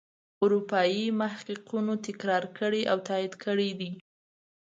اروپايي محققینو تکرار کړي او تایید کړي دي.